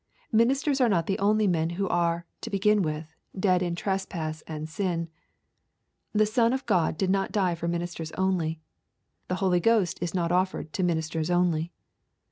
Ministers are not the only men who are, to begin with, dead in trespasses and sins. The Son of God did not die for ministers only. The Holy Ghost is not offered to ministers only.